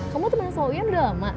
kamu temen sama uian udah lama